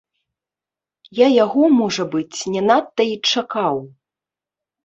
Я яго, можа быць, не надта і чакаў.